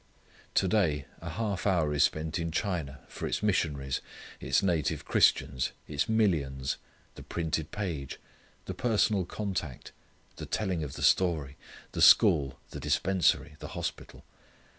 To day a half hour is spent in China, for its missionaries, its native Christians, its millions, the printed page, the personal contact, the telling of the story, the school, the dispensary, the hospital.